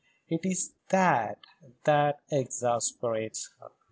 It is that that exasperates her."